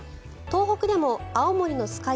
東北でも青森の酸ケ